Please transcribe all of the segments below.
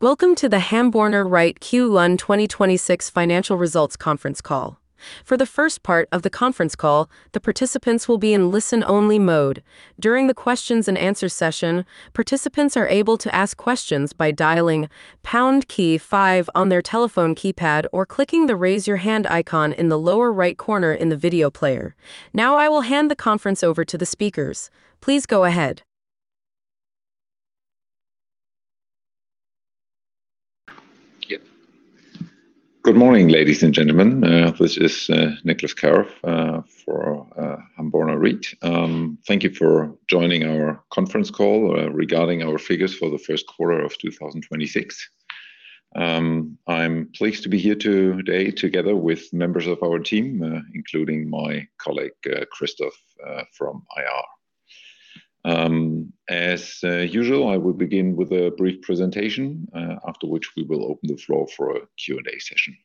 Welcome to the Hamborner REIT Q1 2026 financial results conference call. For the first part of the conference call, the participants will be in listen only mode. Now I will hand the conference over to the speakers. Please go ahead. Yeah. Good morning, ladies and gentlemen. This is Niclas Karoff for Hamborner REIT. Thank you for joining our conference call regarding our figures for the First quarter of 2026. I'm pleased to be here today together with members of our team, including my colleague, Christoph, from IR. As usual, I will begin with a brief presentation, after which we will open the floor for a Q&A session.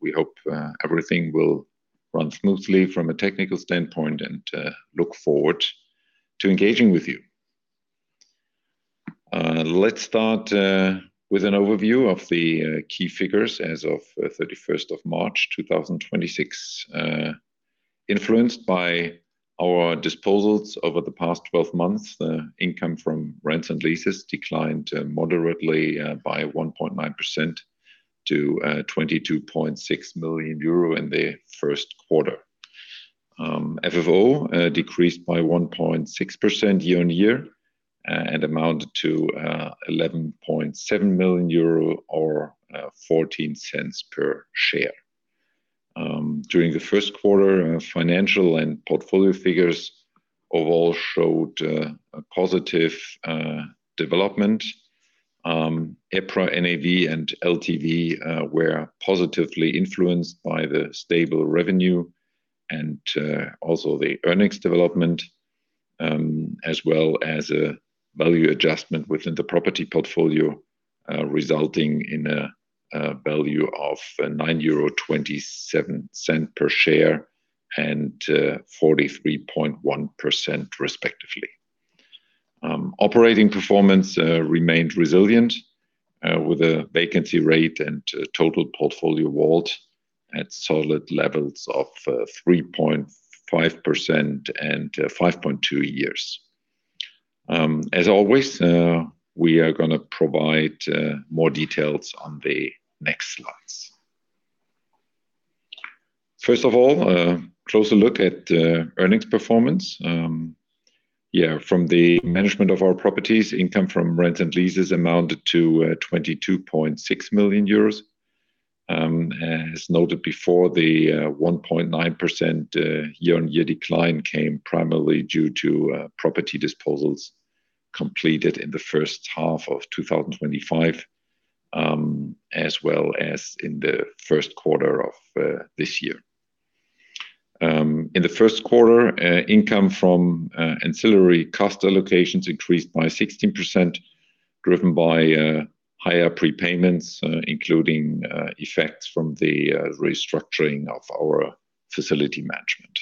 We hope everything will run smoothly from a technical standpoint and look forward to engaging with you. Let's start with an overview of the key figures as of 31st of March, 2026. Influenced by our disposals over the past 12 months, the income from rents and leases declined moderately by 1.9% to 22.6 million euro in the first quarter. FFO decreased by 1.6% year-on-year and amounted to 11.7 million euro or 0.14 per share. During the first quarter, financial and portfolio figures overall showed a positive development. EPRA NAV and LTV were positively influenced by the stable revenue and also the earnings development, as well as a value adjustment within the property portfolio, resulting in a value of 9.27 euro per share and 43.1% respectively. Operating performance remained resilient with a vacancy rate and total portfolio WALT at solid levels of 3.5% and 5.2 years. As always, we are going to provide more details on the next slides. First of all, a closer look at earnings performance. From the management of our properties, income from rents and leases amounted to 22.6 million euros. As noted before, the 1.9% year-over-year decline came primarily due to property disposals completed in the first half of 2025, as well as in the first quarter of this year. In the first quarter, income from ancillary cost allocations increased by 16%, driven by higher prepayments, including effects from the restructuring of our facility management.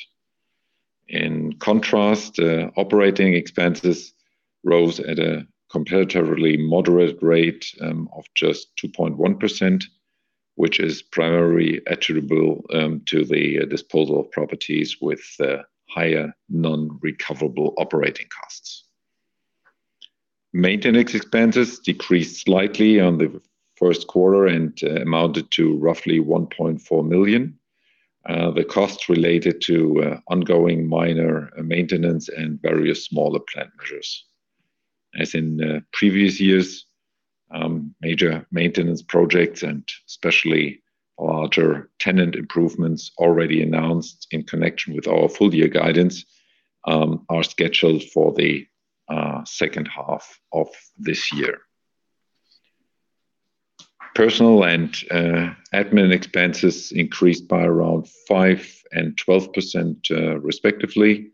In contrast, operating expenses rose at a comparatively moderate rate of just 2.1%, which is primarily attributable to the disposal of properties with higher non-recoverable operating costs. Maintenance expenses decreased slightly on the first quarter and amounted to roughly 1.4 million. The costs related to ongoing minor maintenance and various smaller plan measures. As in previous years, major maintenance projects and especially larger tenant improvements already announced in connection with our full year guidance are scheduled for the second half of this year. Personnel and admin expenses increased by around 5% and 12%, respectively.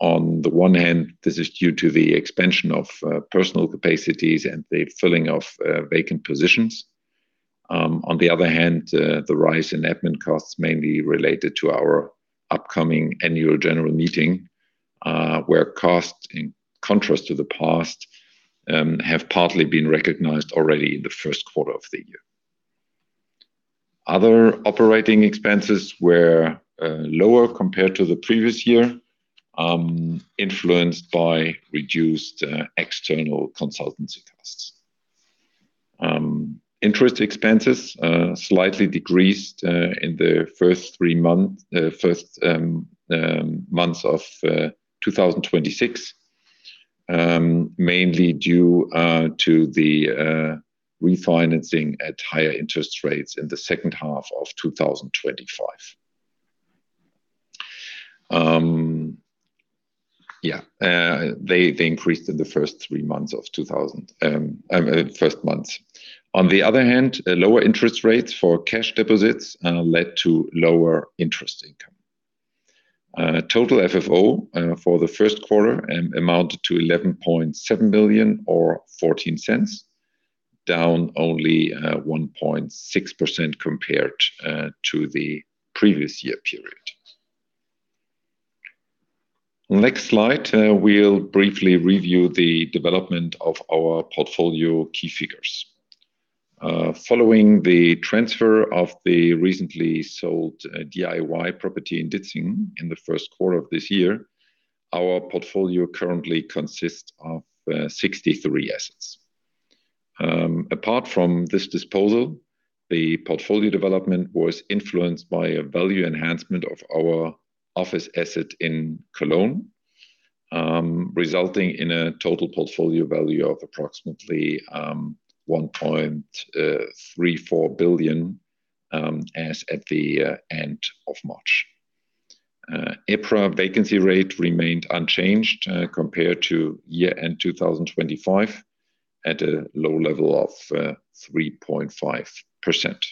On the one hand, this is due to the expansion of personnel capacities and the filling of vacant positions. On the other hand, the rise in admin costs mainly related to our upcoming annual general meeting, where costs, in contrast to the past, have partly been recognized already in the first quarter of the year. Other operating expenses were lower compared to the previous year, influenced by reduced external consultancy costs. Interest expenses slightly decreased in the first months of 2026, mainly due to the refinancing at higher interest rates in the second half of 2025. They increased, I mean, first months. On the other hand, lower interest rates for cash deposits led to lower interest income. Total FFO for the first quarter amounted to 11.7 million or 0.14, down only 1.6% compared to the previous year period. Next slide, we'll briefly review the development of our portfolio key figures. Following the transfer of the recently sold DIY property in Ditzingen in the first quarter of this year, our portfolio currently consists of 63 assets. Apart from this disposal, the portfolio development was influenced by a value enhancement of our office asset in Cologne, resulting in a total portfolio value of approximately 1.34 billion as at the end of March. EPRA vacancy rate remained unchanged compared to year-end 2025 at a low level of 3.5%.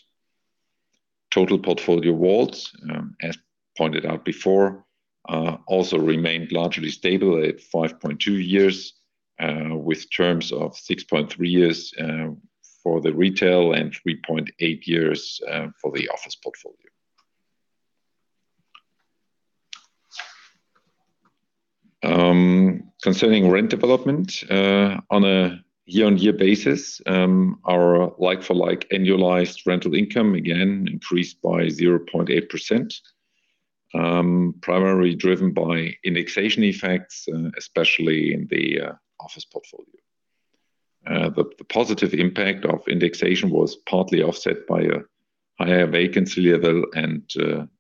Total portfolio WALT, as pointed out before, also remained largely stable at 5.2 years, with terms of 6.3 years for the retail and 3.8 years for the office portfolio. Concerning rent development, on a year-on-year basis, our like-for-like annualized rental income again increased by 0.8%, primarily driven by indexation effects, especially in the office portfolio. The positive impact of indexation was partly offset by a higher vacancy level and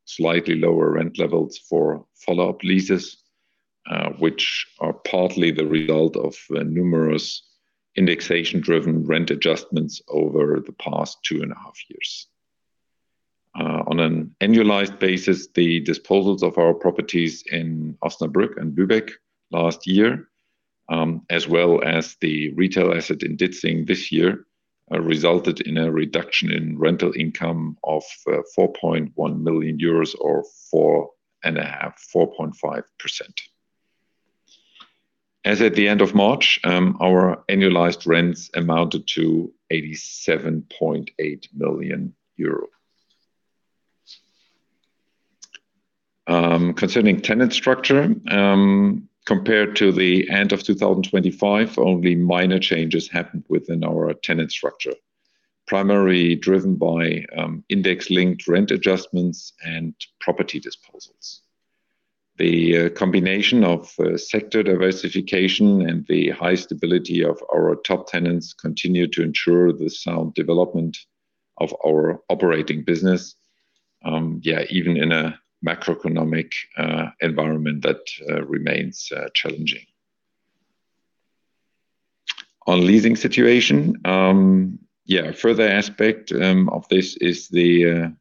slightly lower rent levels for follow-up leases, which are partly the result of numerous indexation-driven rent adjustments over the past 2.5 Years. On an annualized basis, the disposals of our properties in Osnabrück and Bückeburg last year, as well as the retail asset in Ditzingen this year, resulted in a reduction in rental income of 4.1 million euros or 4.5%. As at the end of March, our annualized rents amounted to EUR 87.8 million. Concerning tenant structure, compared to the end of 2025, only minor changes happened within our tenant structure, primarily driven by index-linked rent adjustments and property disposals. The combination of sector diversification and the high stability of our top tenants continue to ensure the sound development of our operating business, even in a macroeconomic environment that remains challenging. On leasing situation, a further aspect of this is the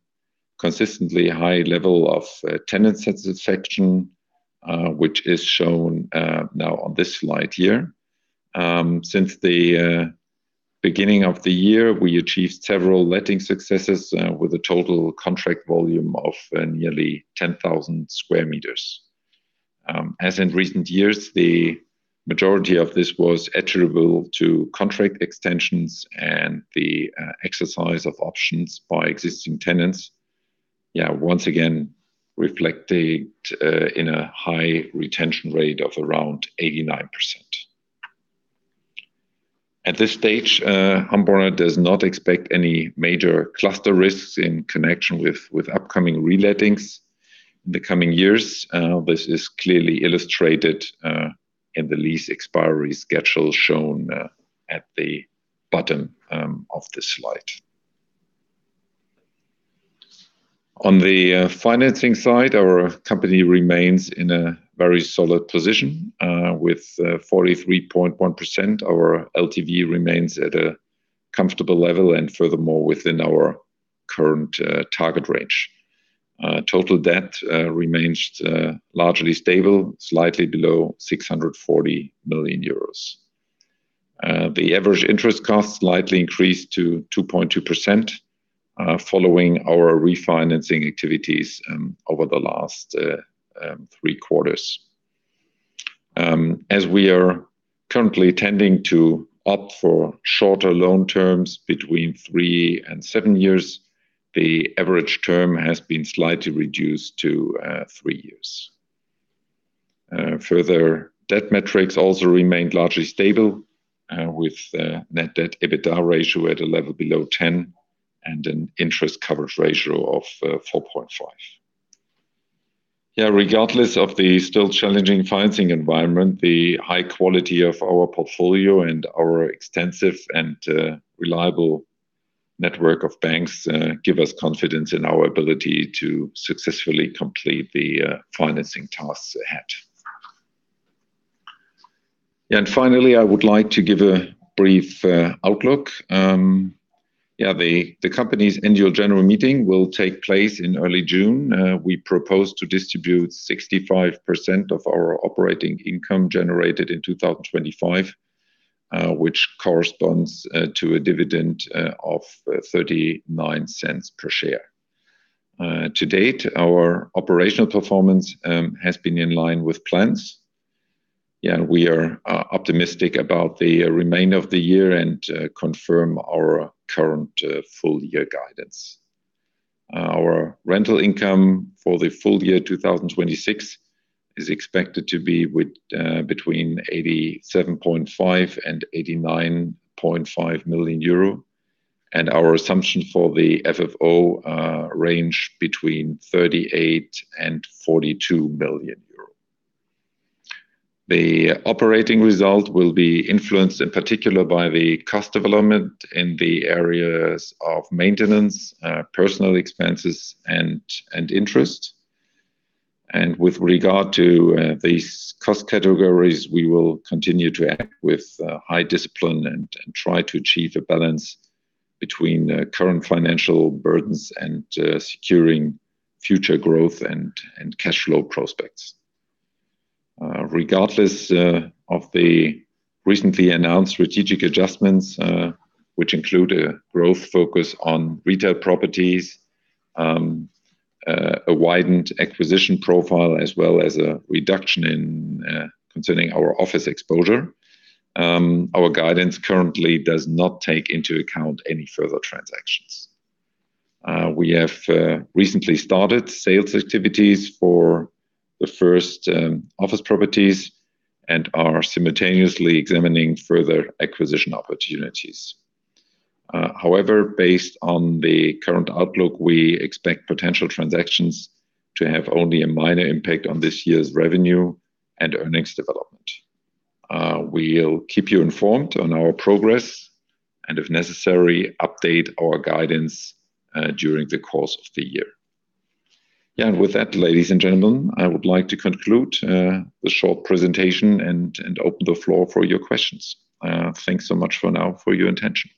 consistently high level of tenant satisfaction, which is shown now on this slide here. Since the beginning of the year, we achieved several letting successes with a total contract volume of nearly 10,000 sq m. As in recent years, the majority of this was attributable to contract extensions and the exercise of options by existing tenants. Once again reflected in a high retention rate of around 89%. At this stage, Hamborner does not expect any major cluster risks in connection with upcoming relettings in the coming years. This is clearly illustrated in the lease expiry schedule shown at the bottom of this slide. On the financing side, our company remains in a very solid position. With 43.1%, our LTV remains at a comfortable level and furthermore within our current target range. Total debt remains largely stable, slightly below 640 million euros. The average interest cost slightly increased to 2.2% following our refinancing activities over the last three quarters. As we are currently tending to opt for shorter loan terms between three and seven years, the average term has been slightly reduced to three years. Further debt metrics also remained largely stable with the net debt to EBITDA ratio at a level below 10% and an interest coverage ratio of 4.5%. Yeah, regardless of the still challenging financing environment, the high quality of our portfolio and our extensive and reliable network of banks give us confidence in our ability to successfully complete the financing tasks ahead. Finally, I would like to give a brief outlook. The company's annual general meeting will take place in early June. We propose to distribute 65% of our operating income generated in 2025, which corresponds to a dividend of 0.39 per share. To date, our operational performance has been in line with plans. Yeah, we are optimistic about the remainder of the year and confirm our current full year guidance. Our rental income for the full year 2026 is expected to be between 87.5 million and 89.5 million euro. Our assumption for the FFO range between 38 million and 42 million euro. The operating result will be influenced in particular by the cost development in the areas of maintenance, personnel expenses and interest. With regard to these cost categories, we will continue to act with high discipline and try to achieve a balance between current financial burdens and securing future growth and cash flow prospects. Regardless of the recently announced strategic adjustments, which include a growth focus on retail properties, a widened acquisition profile, as well as a reduction concerning our office exposure, our guidance currently does not take into account any further transactions. We have recently started sales activities for the first office properties and are simultaneously examining further acquisition opportunities. However, based on the current outlook, we expect potential transactions to have only a minor impact on this year's revenue and earnings development. We'll keep you informed on our progress and, if necessary, update our guidance during the course of the year. Yeah. With that, ladies and gentlemen, I would like to conclude the short presentation and open the floor for your questions. Thanks so much for now for your attention.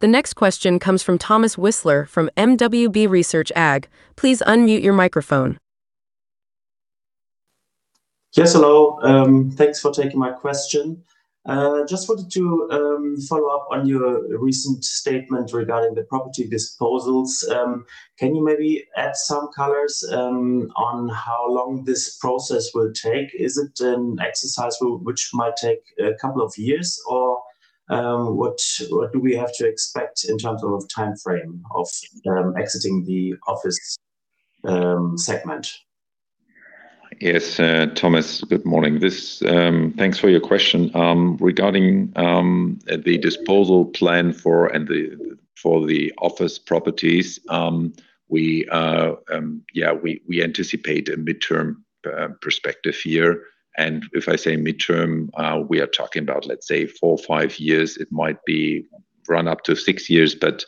The next question comes from Thomas Wissler from mwb research AG. Please unmute your microphone. Yes, hello. Thanks for taking my question. Just wanted to follow up on your recent statement regarding the property disposals. Can you maybe add some colors on how long this process will take? Is it an exercise which might take a couple of years? What do we have to expect in terms of timeframe of exiting the office segment? Yes, Thomas, good morning. This, thanks for your question. Regarding the disposal plan for and the, for the office properties, yeah, we anticipate a midterm perspective here. If I say midterm, we are talking about, let's say, four or five years. It might be run up to six years, but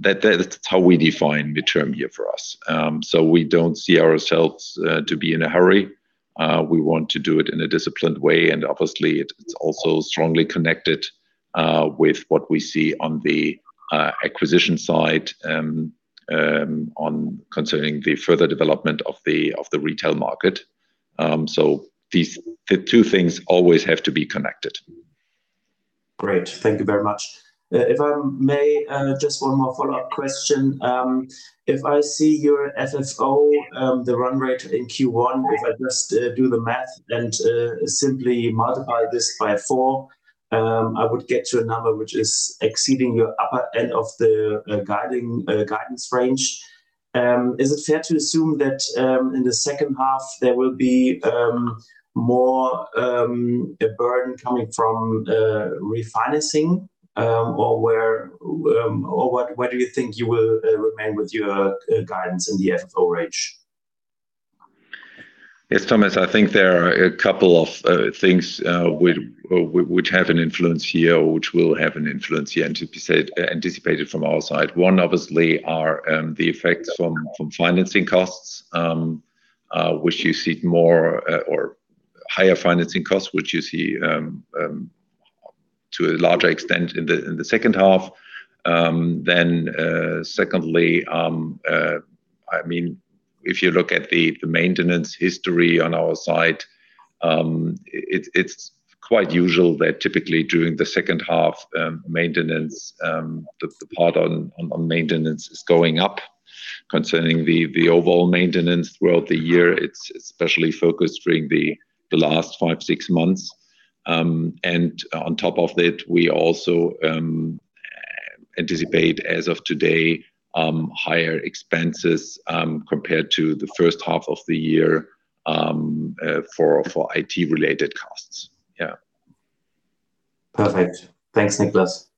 that, that's how we define midterm year for us. We don't see ourselves to be in a hurry. We want to do it in a disciplined way. Obviously it's also strongly connected with what we see on the acquisition side on concerning the further development of the retail market. The two things always have to be connected. Great. Thank you very much. If I may, just one more follow-up question. If I see your FFO, the run rate in Q1, if I just do the math and simply multiply this by four, I would get to a number which is exceeding your upper end of the guidance range. Is it fair to assume that in the second half there will be more a burden coming from refinancing? Or where, or what, where do you think you will remain with your guidance in the FFO range? Thomas, I think there are a couple of things which have an influence here or which will have an influence here anticipated from our side. Obviously, are the effects from financing costs, which you see more or higher financing costs, which you see to a larger extent in the second half. Secondly, I mean, if you look at the maintenance history on our side, it's quite usual that typically during the second half, maintenance, the part on maintenance is going up. Concerning the overall maintenance throughout the year, it's especially focused during the last five, six months. On top of that, we also anticipate as of today, higher expenses compared to the first half of the year for IT related costs. Yeah. Perfect. Thanks, Niclas.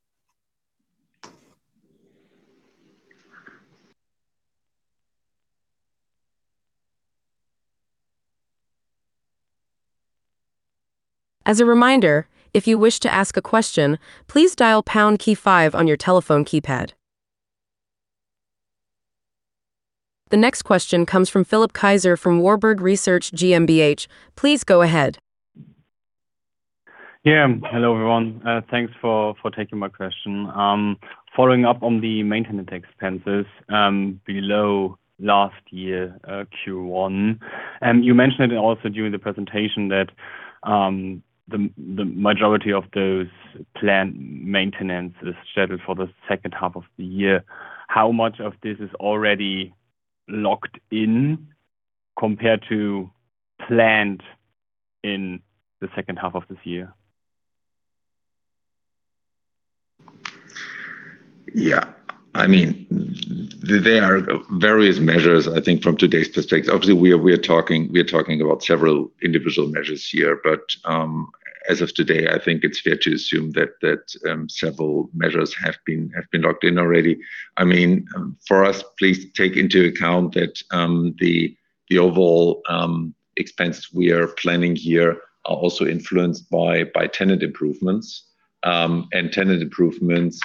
As a reminder, if you wish to ask a question, please dial pound key five on your telephone keypad. The next question comes from Philipp Kaiser from Warburg Research GmbH. Please go ahead. Yeah. Hello, everyone. Thanks for taking my question. Following up on the maintenance expenses below last year Q1. You mentioned it also during the presentation that the majority of those planned maintenance is scheduled for the second half of the year. How much of this is already locked in compared to planned in the second half of this year? Yeah. I mean, there are various measures, I think, from today's perspective. Obviously, we are talking about several individual measures here. As of today, I think it's fair to assume that several measures have been locked in already. I mean, for us, please take into account that the overall expense we are planning here are also influenced by tenant improvements. Tenant improvements,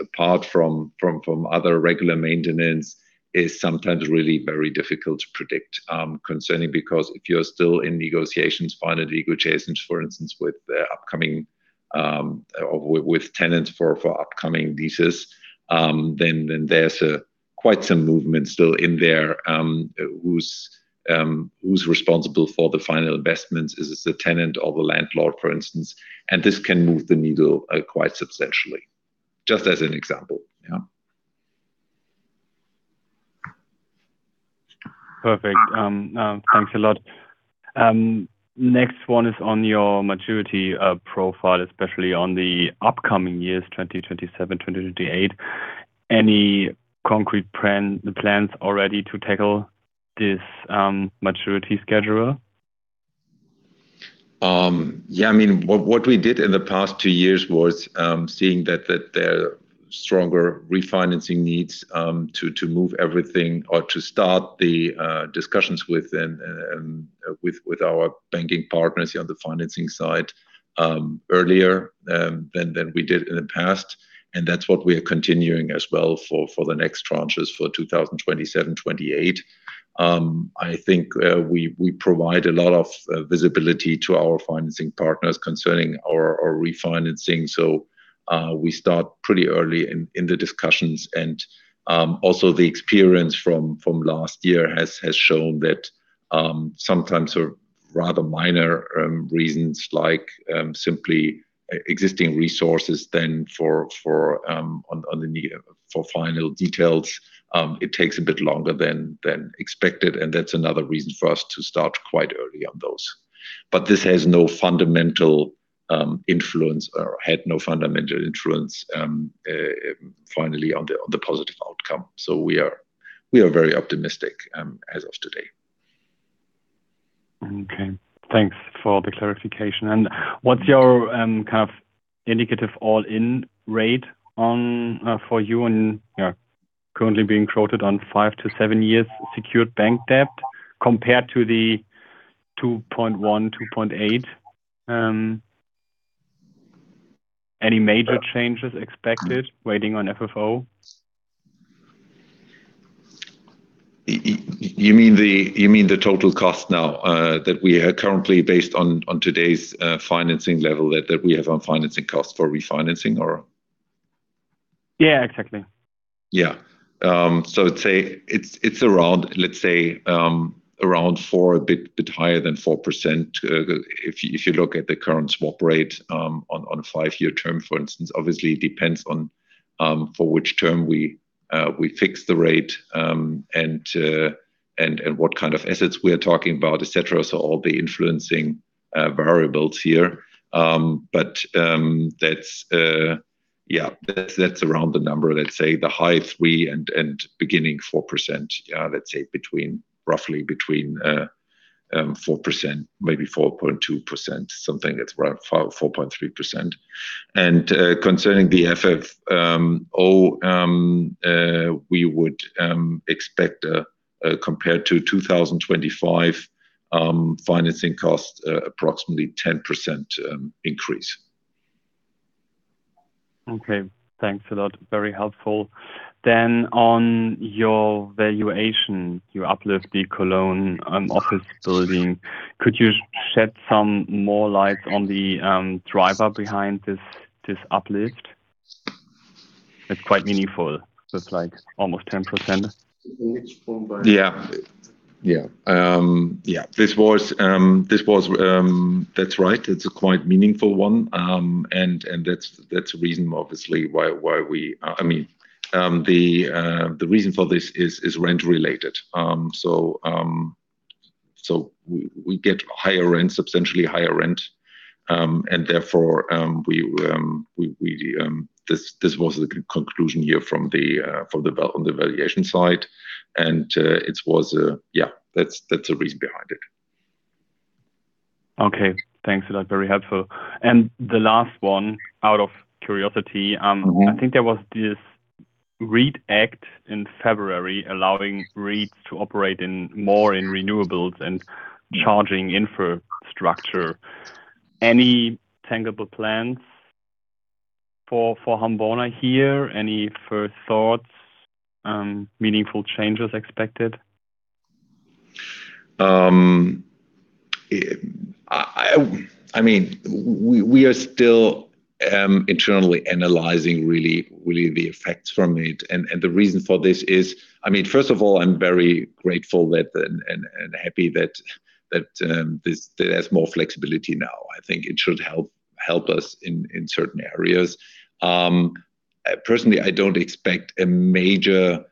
apart from other regular maintenance, is sometimes really very difficult to predict concerning because if you're still in negotiations, final negotiations, for instance, with upcoming tenants for upcoming leases, then there's quite some movement still in there, who's responsible for the final investments. Is it the tenant or the landlord, for instance? This can move the needle, quite substantially. Just as an example. Yeah. Perfect. Thanks a lot. Next one is on your maturity profile, especially on the upcoming years, 2027, 2028. Any concrete plans already to tackle this maturity scheduler? Yeah, I mean, what we did in the past two years was seeing that there are stronger refinancing needs to move everything or to start the discussions with our banking partners on the financing side earlier than we did in the past. That's what we are continuing as well for the next tranches for 2027, 2028. I think we provide a lot of visibility to our financing partners concerning our refinancing. We start pretty early in the discussions. Also the experience from last year has shown that sometimes sort of rather minor reasons like simply existing resources then for final details, it takes a bit longer than expected, and that's another reason for us to start quite early on those. This has no fundamental influence or had no fundamental influence finally on the positive outcome. We are very optimistic as of today. Okay. Thanks for the clarification. What's your, kind of indicative all-in rate on, for you and, you know, currently being quoted on five to seven years secured bank debt compared to the 2.1%, 2.8%? Any major changes expected waiting on FFO? You mean the total cost now, that we are currently based on today's financing level that we have on financing costs for refinancing or? Yeah, exactly. I'd say it's around, let's say, around 4%, a bit higher than 4%. If you look at the current swap rate on a five-year term, for instance. Obviously, it depends on for which term we fix the rate and what kind of assets we are talking about, et cetera. All the influencing variables here. That's around the number. Let's say the high 3%-4%. Let's say roughly between 4%-4.3%. Concerning the FFO, we would expect a compared to 2025 financing cost approximately 10% increase. Okay. Thanks a lot. Very helpful. On your valuation, you uplift the Cologne office building. Could you shed some more light on the driver behind this uplift? It's quite meaningful. It's like almost 10%. Yeah. Yeah. Yeah. This was That's right. It is a quite meaningful one. That is the reason obviously. I mean, the reason for this is rent related. We get higher rent, substantially higher rent. Therefore, we, this was the conclusion here on the valuation side. It was, yeah, that is the reason behind it. Okay. Thanks a lot. Very helpful. The last one, out of curiosity. I think there was this REIT Act in February allowing REITs to operate in more in renewables and charging infrastructure. Any tangible plans for Hamborner here? Any first thoughts, meaningful changes expected? I mean, we are still internally analyzing really the effects from it. The reason for this is, I mean, first of all, I'm very grateful that and happy that there's more flexibility now. I think it should help us in certain areas. Personally, I don't expect a major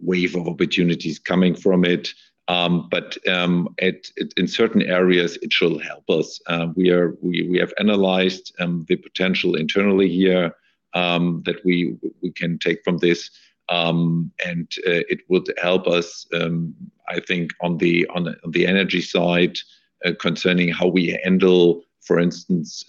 wave of opportunities coming from it. But in certain areas it should help us. We have analyzed the potential internally here that we can take from this. And it would help us, I think on the energy side, concerning how we handle, for instance,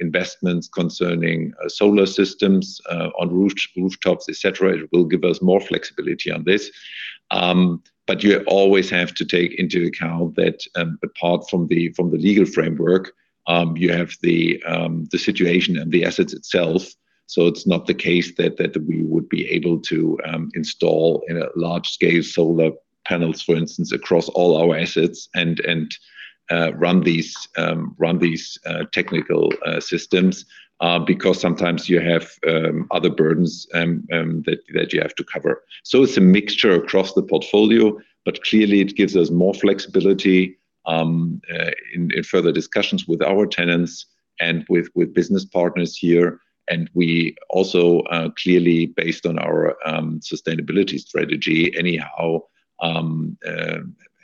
investments concerning solar systems on rooftops, et cetera. It will give us more flexibility on this. You always have to take into account that, apart from the legal framework, you have the situation and the assets itself. It's not the case that we would be able to install in a large scale solar panels, for instance, across all our assets and run these technical systems. Because sometimes you have other burdens that you have to cover. It's a mixture across the portfolio, but clearly it gives us more flexibility in further discussions with our tenants and with business partners here. We also clearly based on our sustainability strategy anyhow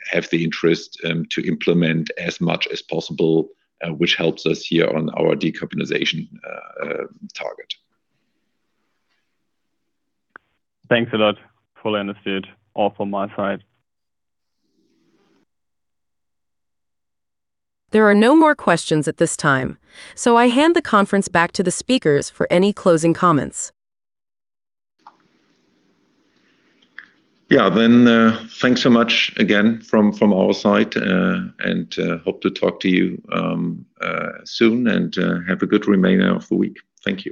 have the interest to implement as much as possible, which helps us here on our decarbonization target. Thanks a lot. Fully understood. All from my side. There are no more questions at this time, so I hand the conference back to the speakers for any closing comments. Yeah. Thanks so much again from our side, and hope to talk to you soon and have a good remainder of the week. Thank you.